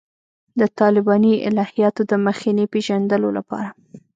د طالباني الهیاتو د مخینې پېژندلو لپاره.